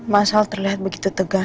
mas al terlihat begitu tegas